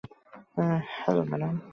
Hello, madam!